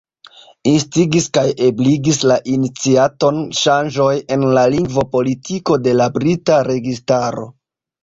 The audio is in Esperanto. Instigis kaj ebligis la iniciaton ŝanĝoj en la lingvo-politiko de la brita registaro.